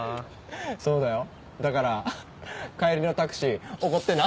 そうだよだから帰りのタクシーおごってな。